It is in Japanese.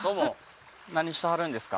どうも何してはるんですか？